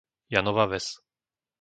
Janova Ves